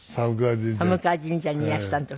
寒川神社にいらした時。